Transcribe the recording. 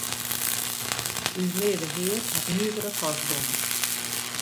Us Leave Hear hat nuvere kostgongers.